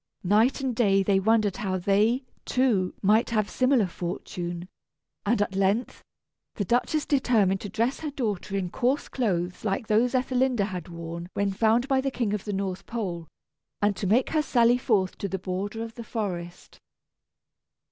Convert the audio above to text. Night and day they wondered how they, too, might have similar fortune; and at length the Duchess determined to dress her daughter in coarse clothes like those Ethelinda had worn when found by the King of the North Pole, and to make her sally forth to the border of the forest.